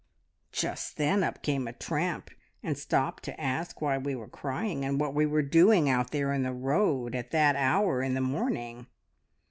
Just then up came a tramp, and stopped to ask why we were crying, and what we were doing out there in the road at that hour in the morning.